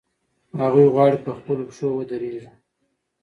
هغوی غواړي په خپلو پښو ودرېږي.